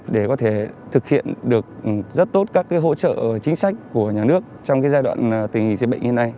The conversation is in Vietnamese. để có thể thực hiện được rất tốt các hỗ trợ chính sách của nhà nước trong giai đoạn tình hình dịch bệnh hiện nay